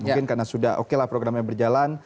mungkin karena sudah oke lah programnya berjalan